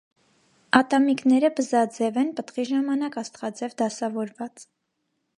Ատամիկները բզաձև են, պտղի ժամանակ աստղաձև դասավորված։